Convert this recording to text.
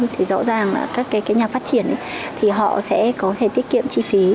thì rõ ràng là các cái nhà phát triển thì họ sẽ có thể tiết kiệm chi phí